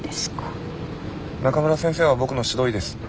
中村先生は僕の指導医です。